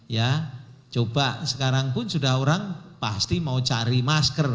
ya coba sekarang pun sudah orang pasti mau cari masker